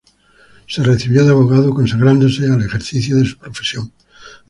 Se recibió de abogado, consagrándose al ejercicio de su profesión.